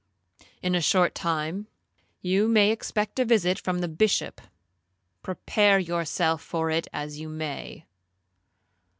In a short time you may expect a visit from the Bishop—prepare yourself for it as you may.'